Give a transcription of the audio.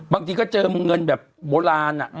บางทีก็เจอเงินแบบโบราณ